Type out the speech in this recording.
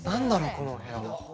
この部屋。